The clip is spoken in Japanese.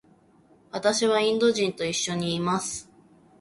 私はインド人と一緒にいます。